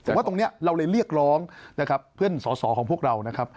ผมว่าตรงนี้เราเลยเรียกร้องนะครับเพื่อนสอสอของพวกเรานะครับ